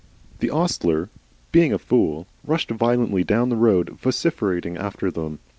The ostler (being a fool) rushed violently down the road vociferating after them.